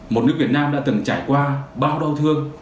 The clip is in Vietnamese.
một nước việt nam đã từng trải qua bao đau thương